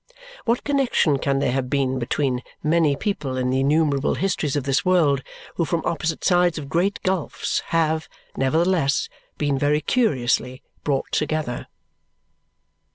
What connexion can there have been between many people in the innumerable histories of this world who from opposite sides of great gulfs have, nevertheless, been very curiously brought together!